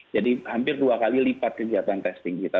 jadi hampir dua kali lipat kegiatan testing kita